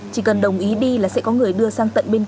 chỉ cần đồng ý đi là sẽ có người đưa